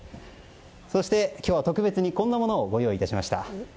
そして、今日は特別にこんなものをご用意しました。